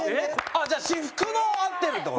じゃあ私服の会ってるって事？